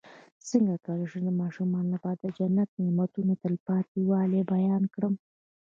څنګه کولی شم د ماشومانو لپاره د جنت د نعمتو تلپاتې والی بیان کړم